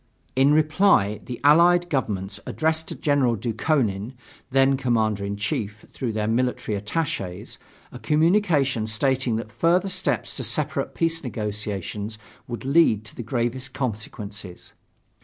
In reply the Allied Governments addressed to General Dukhonin, then commander in chief, through their military attaches, a communication stating that further steps to separate peace negotiations would lead to the gravest consequences.